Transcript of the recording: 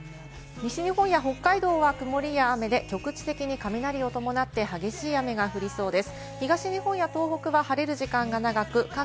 西日本や北海道は曇りや雨で、局地的に雷を伴って激しい雨が降りそうです。